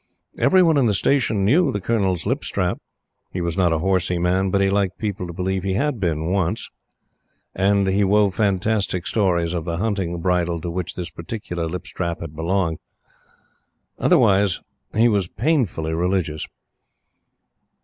Every one in the station knew the Colonel's lip strap. He was not a horsey man, but he liked people to believe he had been on once; and he wove fantastic stories of the hunting bridle to which this particular lip strap had belonged. Otherwise he was painfully religious.